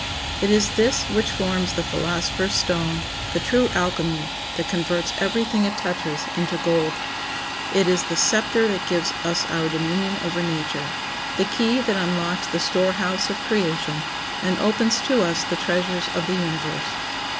It is this which forms the philosopher's stone, the true alchemy, that converts every thing it touches into gold. It is the scepter that gives us our dominion over nature; the key that unlocks the storehouse of creation, and opens to us the treasures of the universe.